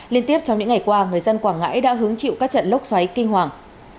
liên tiếp trong những ngày qua người dân quảng ngãi đã hứng chịu các trận lốc xoáy kinh hoàng